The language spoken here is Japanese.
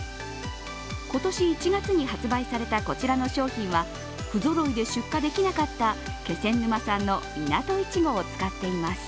今年１月に発売されたこちらの商品はふぞろいで出荷できなかった気仙沼産のみなといちごを使っています。